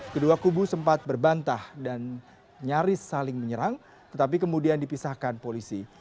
kedua kubu sempat berbantah dan nyaris saling menyerang tetapi kemudian dipisahkan polisi